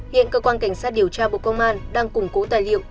hiện cơ quan cảnh sát điều tra bộ công an đang củng cố tài liệu